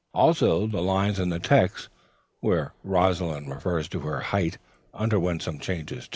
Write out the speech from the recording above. Also the lines in the text where Rosalind refers to her height underwent some changes.